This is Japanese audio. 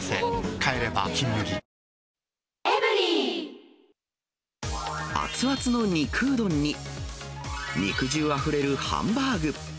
帰れば「金麦」熱々の肉うどんに、肉汁あふれるハンバーグ。